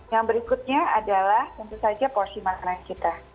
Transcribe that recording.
yang berikutnya adalah tentu saja porsi makanan kita